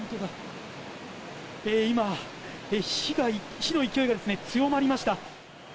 今、火の勢いが強まりました。